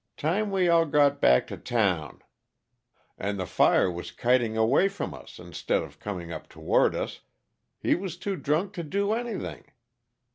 Time we all got back to town, and the fire was kiting away from us instead of coming up toward us, he was too drunk to do anything.